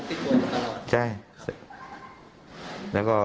เอ้าปิดกลัวอยู่ตลอด